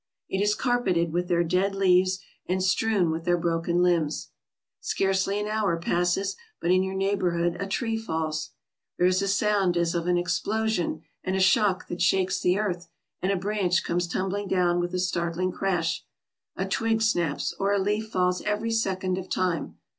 It is carpeted with their dead leaves and strewn with their broken limbs. Scarcely an hour passes but in your neighborhood a tree falls. There is a sound as of an explosion and a shock that shakes the earth, and a branch comes tumbling down with a startling crash. A twig snaps or a leaf falls every second of time.